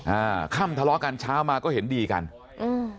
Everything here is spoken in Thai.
อ่าค่ำทะเลาะกันเช้ามาก็เห็นดีกันอืม